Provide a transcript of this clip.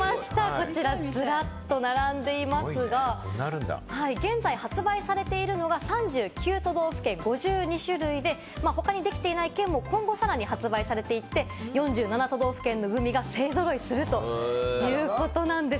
こちら、ずらっと並んでいますが、現在、発売されているのが、３９都道府県５２種類で他にできていない県も今後、さらに発売されていって、４７都道府県のグミが勢ぞろいするということなんです。